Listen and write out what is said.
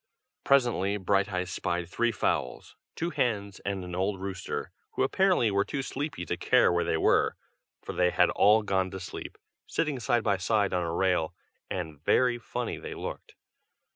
Presently Brighteyes spied three fowls, two hens and an old rooster, who apparently were too sleepy to care where they were, for they had all gone to sleep, sitting side by side on a rail, and very funny they looked.